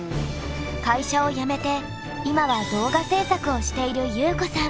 会社を辞めて今は動画制作をしているゆうこさん。